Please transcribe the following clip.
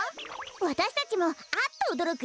わたしたちもあっとおどろく